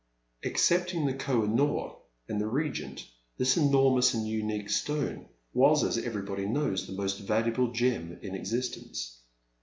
Excepting the Koh i noor, and the Regent, this enormous and unique stone was, as everybody knows, the most valuable gem in existence.